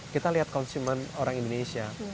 kita lihat konsumen orang indonesia